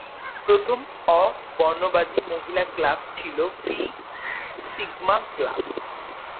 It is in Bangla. প্রথম অ-বর্ণবাদী মহিলা ক্লাব ছিল ফি সিগমা ক্লাব।